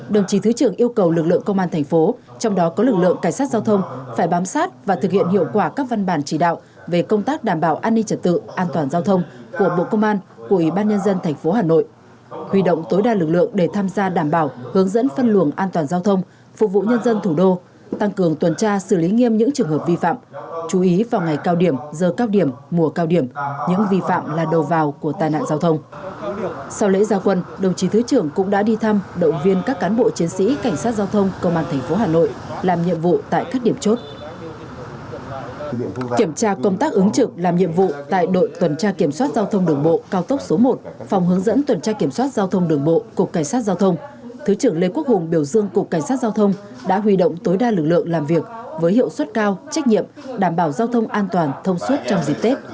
đội tuần tra kiểm soát giao thông đường bộ cao tốc số một thuộc phòng hướng dẫn tuần tra kiểm soát giao thông đường bộ cục cảnh sát giao thông